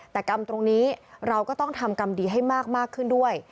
แต่กรรมตรงนี้เราก็ต้องทำกรรมดีให้มากขึ้นด้วย